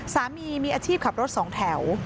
สามีมีอาชีพขับรถสองแถว